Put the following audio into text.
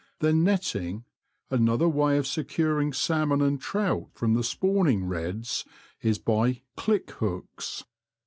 Than netting, another way of securing salmon and trout from the spawning redds is by ^* click" hooks.